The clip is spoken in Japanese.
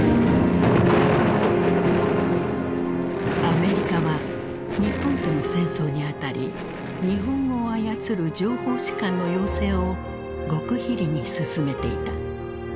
アメリカは日本との戦争にあたり日本語を操る情報士官の養成を極秘裏に進めていた。